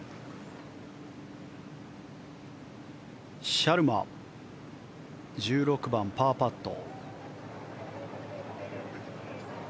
シャルマ１６番、パーパット。